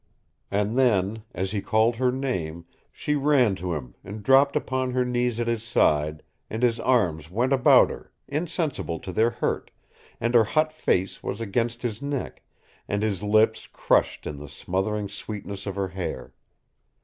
And then, as he called her name, she ran to him and dropped upon her knees at his side, and his arms went about her, insensible to their hurt and her hot face was against his neck, and his lips crushed in the smothering sweetness of her hair.